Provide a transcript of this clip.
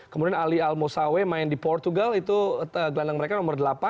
kemudian ali al mosawe main di portugal itu gelandang mereka nomor delapan